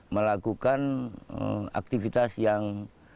melakukan aktivitas yang